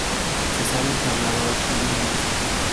Se sabe que hablaba ocho idiomas.